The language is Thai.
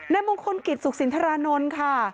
มงคลกิจสุขสินทรานนท์ค่ะ